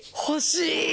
欲しい！